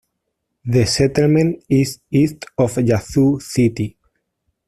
The settlement is east of Yazoo City.